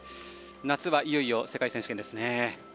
夏はいよいよ世界選手権ですね。